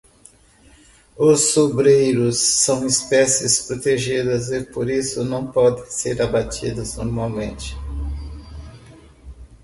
Os sobreiros são espécies protegidas e por isso não podem ser abatidos normalmente.